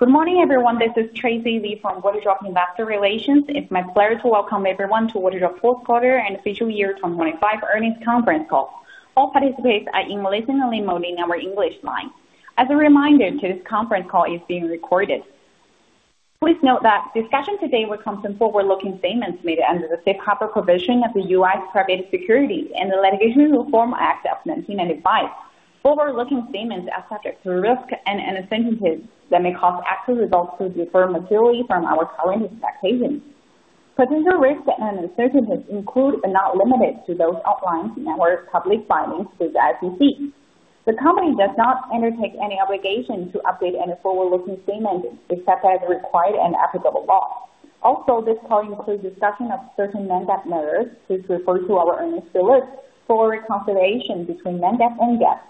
Good morning, everyone. This is Tracy Li from Waterdrop Investor Relations. It's my pleasure to welcome everyone to Waterdrop's fourth quarter and fiscal year 2024 earnings conference call. All participants are in listen-only mode in our English line. As a reminder, today's conference call is being recorded. Please note that discussion today will contain forward-looking statements made under the safe harbor provision of the U.S. Private Securities Litigation Reform Act of 1995. Forward-looking statements are subject to risk and uncertainties that may cause actual results to differ materially from our current expectations. Potential risks and uncertainties include, but not limited to, those outlined in our public filings with the SEC. The company does not undertake any obligation to update any forward-looking statements except as required in applicable law. Also, this call includes discussion of certain non-GAAP measures. Please refer to our earnings release for reconciliation between non-GAAP and GAAP.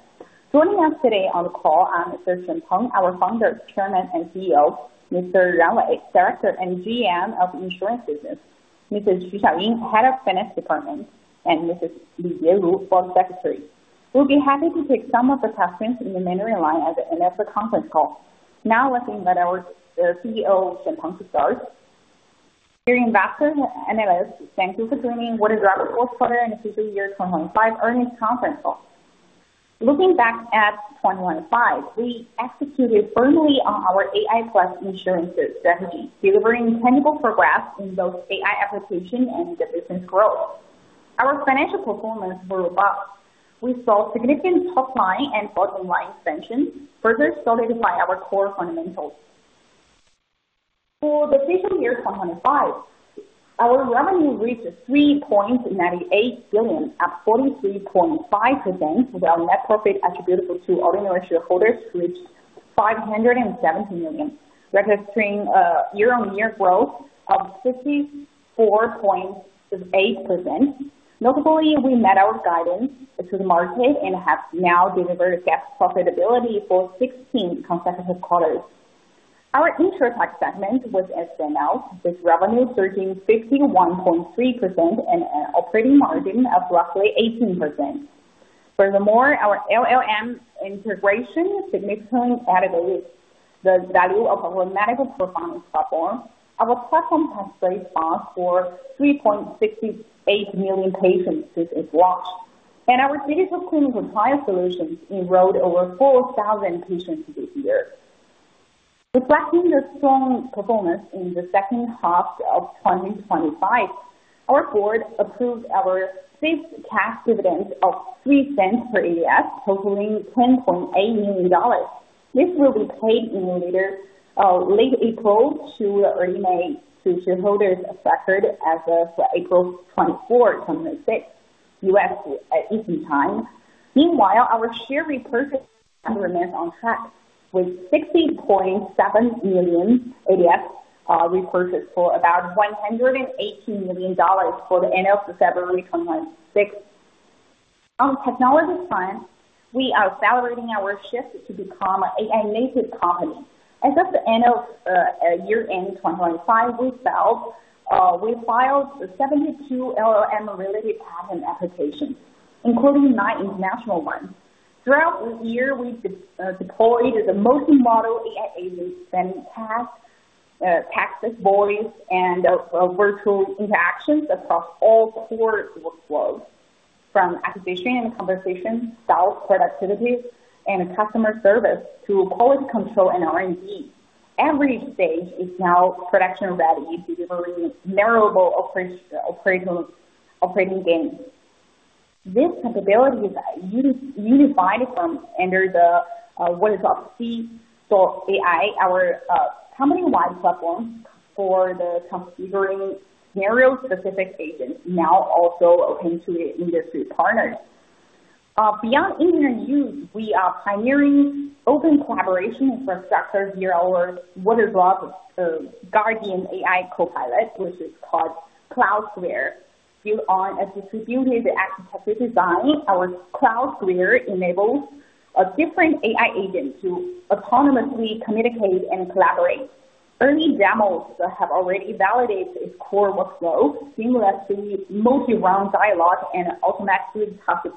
Joining us today on the call are Mr. Shen Peng, our Founder, Chairman, and CEO, Mr. Wei Ran, Director and GM of Insurance Business, Mrs. Xiaoying Xu, Head of Finance Department, and Mrs. Jieru Li, Board Secretary. We'll be happy to take some of the questions from the participants on the line at the end of the conference call. Now let's turn to our CEO, Shen Peng, to start. Dear investors and analysts, thank you for joining Waterdrop fourth quarter and fiscal year 2025 earnings conference call. Looking back at 2025, we executed firmly on our AI plus insurance strategy, delivering tangible progress in both AI application and business growth. Our financial performance were robust. We saw significant top line and bottom line expansion, further solidified our core fundamentals. For the fiscal year 2025, our revenue reached 3.98 billion, up 43.5%, with our net profit attributable to ordinary shareholders reached 570 million, registering year-on-year growth of 64.8%. Notably, we met our guidance to the market and have now delivered GAAP profitability for 16 consecutive quarters. Our insurtech segment was SML, with revenue surging 61.3% and an operating margin of roughly 18%. Furthermore, our LLM integration significantly added the value of our medical performance platform. Our platform has responded to 3.68 million patients since it was launched. Our digital clinical trial solutions enrolled over 4,000 patients this year. Reflecting their strong performance in the second half of 2025, our board approved our fifth cash dividend of $0.03 per ADS, totaling $10.8 million. This will be paid in late April to early May to shareholders of record as of April 2024 on the 6th, U.S. at ET time. Meanwhile, our share repurchase remains on track, with 60.7 million ADSs repurchased for about $118 million as of the end of February 2025, 6th. On the technology front, we are accelerating our shift to become an AI-native company. As of year-end 2023, we filed 72 LLM-related patent applications, including nine international ones. Throughout the year, we deployed a multi-modal AI agent supporting text, voice, and virtual interactions across all four workflows, from acquisition and conversion, sales, productivity, and customer service to quality control and R&D. Every stage is now production-ready, delivering measurable operational gains. These capabilities are unified under the Waterdrop CDOT AI, our company-wide platform for configuring scenario-specific agents, now also open to industry partners. Beyond internet use, we are pioneering open collaboration for Waterdrop Guardian AI Copilot, which is called CloudSphere. Built on a distributed architecture design, our CloudSphere enables different AI agents to autonomously communicate and collaborate. Early demos have already validated its core workflow, seamless multi-round dialogue, and automatic topic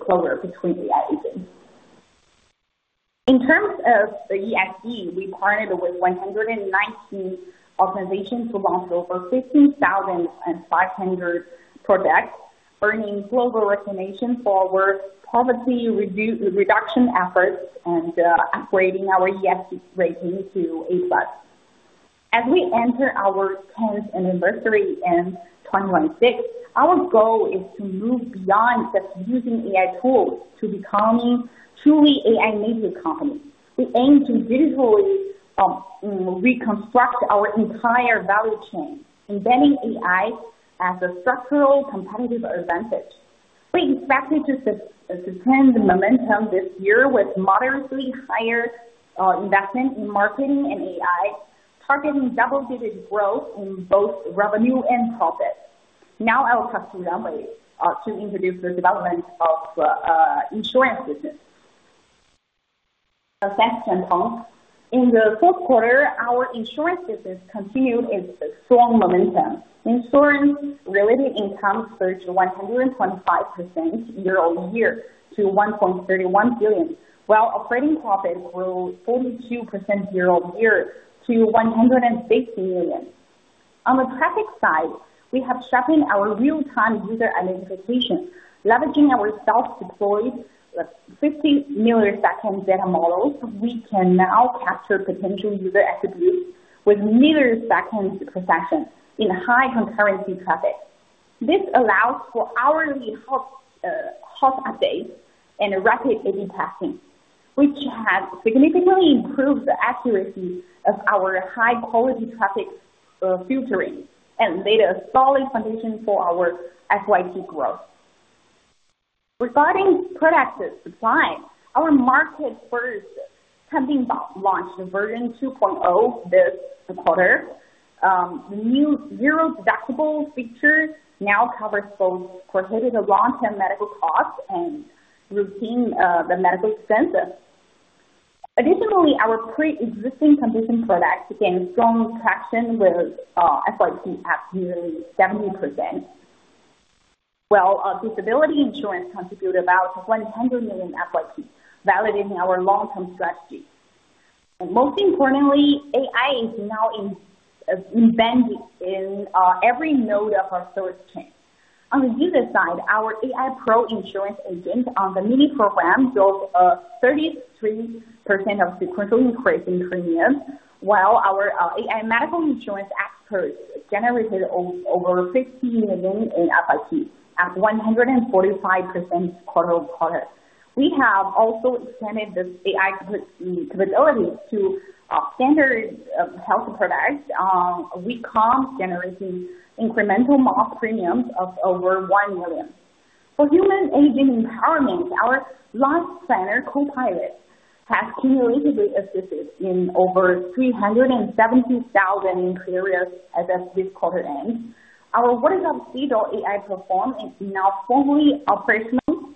closure between AI agents. In terms of ESG, we partnered with 119 organizations to sponsor over 15,500 projects, earning global recognition for our poverty reduction efforts and upgrading our ESG rating to A+. As we enter our tenth anniversary in 2026, our goal is to move beyond just using AI tools to becoming truly AI-native company. We aim to visually reconstruct our entire value chain, embedding AI as a structural competitive advantage. We expect to sustain the momentum this year with moderately higher investment in marketing and AI, targeting double-digit growth in both revenue and profit. Now I will pass to Ran Wei to introduce the development of insurance business. Thanks, Shen Peng. In the fourth quarter, our insurance business continued its strong momentum. Insurance related income surged 125% year-over-year to 1.31 billion, while operating profits grew 42% year-over-year to 160 million. On the traffic side, we have sharpened our real-time user identification, leveraging our self-deployed 50-millisecond data models, we can now capture potential user attributes with millisecond precision in high concurrency traffic. This allows for hourly health updates and rapid A/B testing, which has significantly improved the accuracy of our high quality traffic filtering and laid a solid foundation for our FYP growth. Regarding product supply, our market first has been launched version 2.0 this quarter. New zero deductible features now covers both projected long-term medical costs and routine medical expenses. Additionally, our pre-existing condition product gained strong traction with FYP at nearly 70%. Well, our disability insurance contributed about 100 million FYP, validating our long-term strategy. Most importantly, AI is now embedded in every node of our service chain. On the user side, our AI Pro Insurance agent on the mini program drove 33% sequential increase in premiums, while our AI medical insurance experts generated over 50 million in FYP at 145% quarter-over-quarter. We have also extended this AI capability to standard health products with calm generating incremental mock premiums of over 1 million. For human agent empowerment, our Life Planner Copilot has cumulatively assisted in over 370,000 inquiries as of this quarter end. Our Waterdrop CDOT AI platform is now fully operational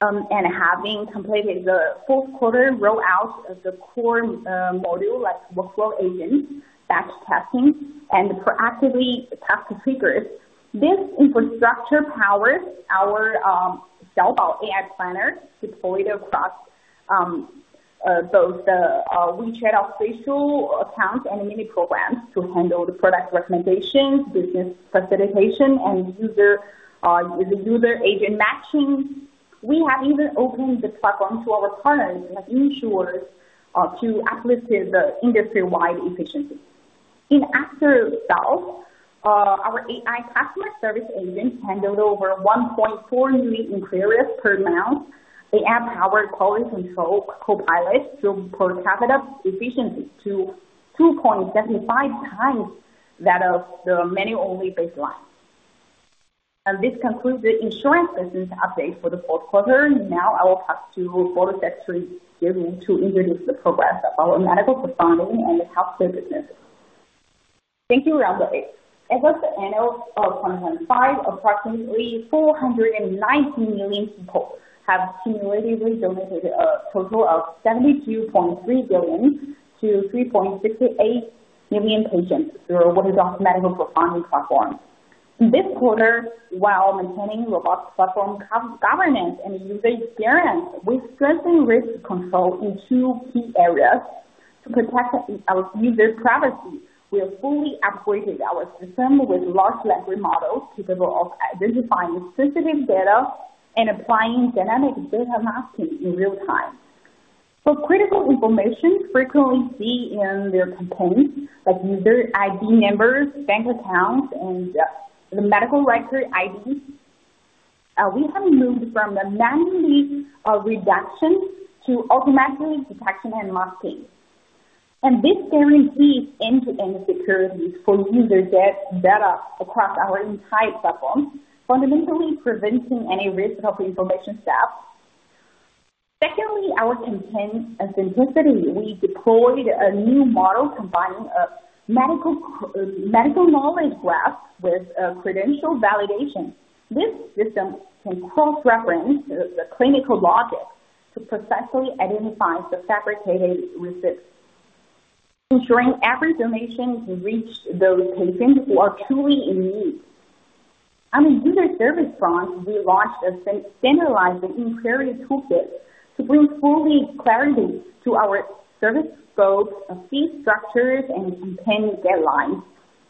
and having completed the fourth quarter roll out of the core module like workflow agent, batch testing, and proactive task triggers. This infrastructure powers our Xiaofu AI planner deployed across both our WeChat official account and mini programs to handle the product recommendations, business facilitation, and user-agent matching. We have even opened the platform to our partners like insurers to uplift the industry-wide efficiency. In after-sales, our AI customer service agents handled over 1.4 million inquiries per month. They adopt our quality control copilot to boost per capita efficiency to 2.75 times that of the manual-only baseline. This concludes the insurance business update for the fourth quarter. Now I will pass to Jieru Li to introduce the progress of our medical crowdfunding and the health care business. Thank you, Ran Wei. As of the end of 2025, approximately 490 million people have cumulatively donated a total of 72.3 billion-3.68 million patients through our Waterdrop Medical Crowdfunding platform. This quarter, while maintaining robust platform governance and user experience, we strengthened risk control in two key areas to protect our users' privacy. We have fully upgraded our system with large language models capable of identifying sensitive data and applying dynamic data masking in real time. Critical information frequently seen in the comments like user ID numbers, bank accounts, and the medical record IDs. We have moved from the manual redaction to automatically detecting and masking. This guarantees end-to-end security for user data across our entire platform, fundamentally preventing any risk of information theft. Secondly, our content authenticity. We deployed a new model combining a medical knowledge graph with a credential validation. This system can cross-reference the clinical logic to precisely identify the fabricated risks, ensuring every donation to reach those patients who are truly in need. On the user service front, we launched a standardized inquiry toolkit to bring full clarity to our service scope, fee structures, and content deadlines.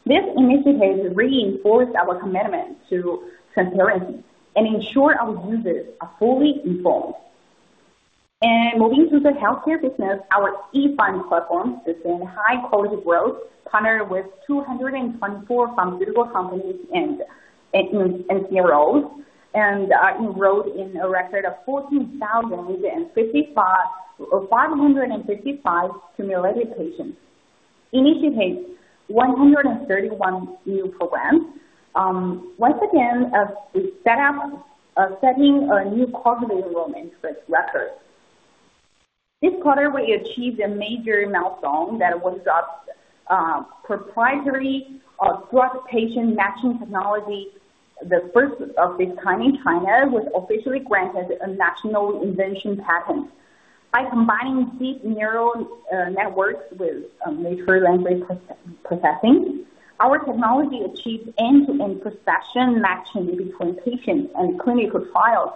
This initiative reinforced our commitment to transparency and ensure our users are fully informed. Moving to the healthcare business, our E-Find platform is in high quality growth, partnered with 224 pharmaceutical companies and enrolled in a record of 14,055 or 555 cumulative patients. Initiated 131 new programs. Once again, we set a new quarterly enrollment record. This quarter, we achieved a major milestone. Our proprietary E-Find patient matching technology, the first of its kind in China, was officially granted a national invention patent. By combining deep neural networks with natural language processing, our technology achieves end-to-end precision matching between patients and clinical trials.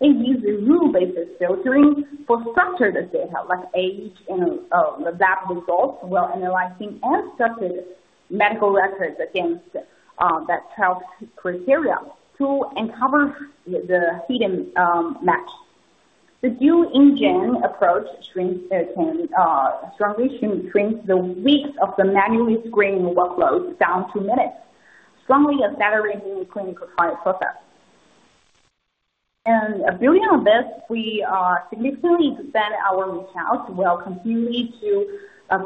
It uses rule-based filtering for structured data like age and lab results, while analyzing unstructured medical records against that trial criteria to uncover the hidden match. The dual engine approach strongly shrinks the weeks of manual screening workloads down to minutes, strongly accelerating the clinical trial process. Building on this, we are significantly expanding our accounts while continuing to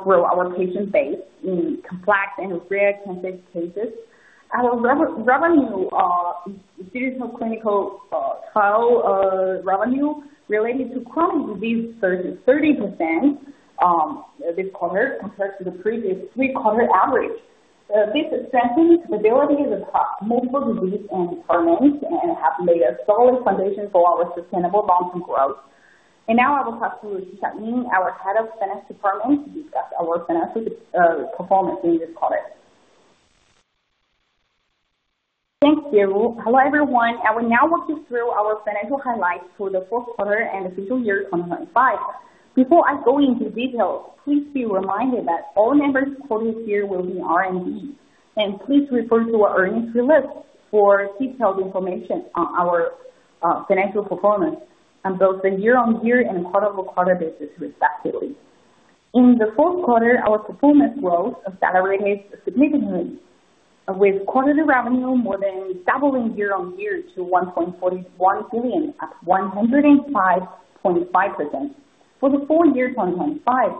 grow our patient base in complex and rare cancer cases. Our revenue in digital clinical trial revenue related to chronic disease 30% this quarter compared to the previous three-quarter average. This extends the ability to tap multiple disease and departments and have made a solid foundation for our sustainable long-term growth. Now I will pass to Xiaoying, our Head of Finance, to discuss our financial performance in this quarter. Thanks, Jieru. Hello, everyone. I will now walk you through our financial highlights for the fourth quarter and the fiscal year 2025. Before I go into details, please be reminded that all numbers quoted here will be RMB, and please refer to our earnings release for detailed information on our financial performance on both the year-on-year and quarter-over-quarter basis, respectively. In the fourth quarter, our performance growth accelerated significantly, with quarterly revenue more than doubling year-on-year to 1.41 billion at 105.5%. For the full year 2025,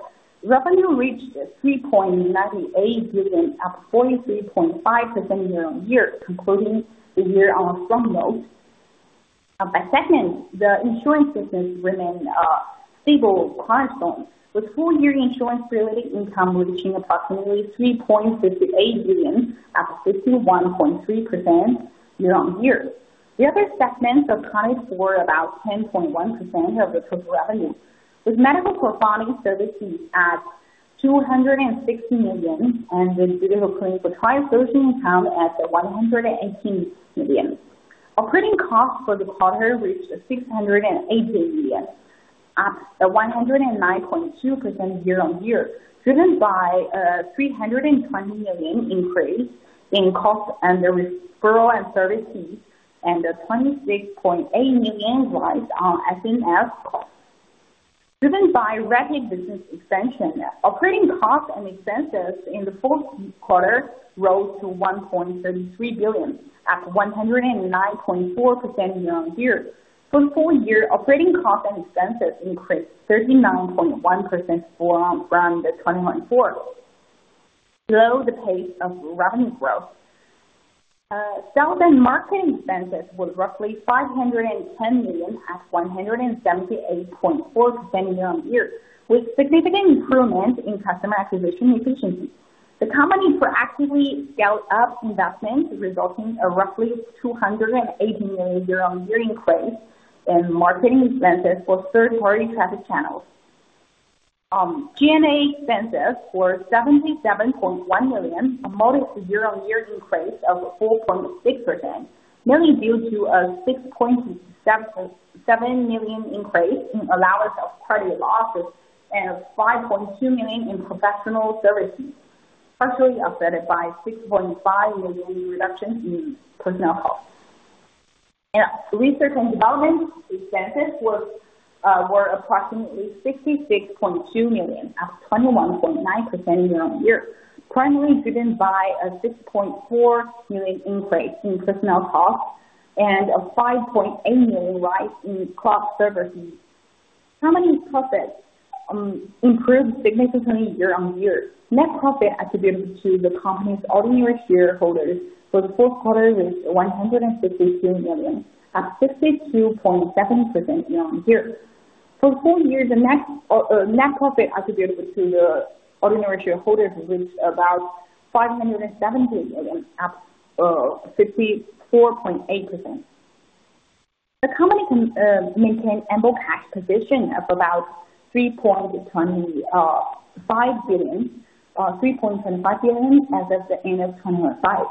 revenue reached 3.98 billion at 43.5% year-on-year, concluding the year on a strong note. By segment, the insurance segment remained a stable cornerstone, with full year insurance-related income reaching approximately RMB 3.58 billion at 51.3% year-on-year. The other segments accounted for about 10.1% of the total revenue, with medical consulting services at 260 million, and with digital clinical trial sourcing income at 118 million. Operating costs for the quarter reached 680 million at a 109.2% year-over-year, driven by a 320 million increase in costs under referral and service fees, and a RMB 26.8 million rise in SMS costs. Driven by rapid business expansion, operating costs and expenses in the fourth quarter rose to 1.33 billion at 109.4% year-over-year. For the full year, operating costs and expenses increased 39.1% from 2024. Though the pace of revenue growth, sales and marketing expenses was roughly 510 million at 178.4% year-over-year, with significant improvement in customer acquisition efficiency. The company proactively scaled up investment, resulting in a roughly RMB 280 million year-on-year increase in marketing expenses for third-party traffic channels. G&A expenses were 77.1 million, amounting to year-on-year increase of 4.6%, mainly due to a 6.7 million increase in allowance for party losses and a 5.2 million in professional services, partially offset by 6.5 million reduction in personnel costs. In research and development, expenses were approximately 66.2 million, at 21.9% year-on-year, primarily driven by a 6.4 million increase in personnel costs and a 5.8 million rise in cloud services. Company profits improved significantly year-on-year For full year, the net profit attributed to the ordinary shareholders was about 570 million at 54.8%. The company maintained ample cash position of about 3.25 billion as of the end of 2025,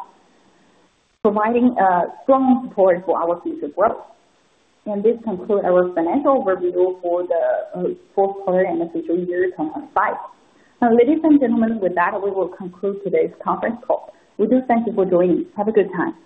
providing a strong support for our future growth. This concludes our financial overview for the fourth quarter and the fiscal year 2025. Now, ladies and gentlemen, with that, we will conclude today's conference call. We do thank you for joining. Have a good time.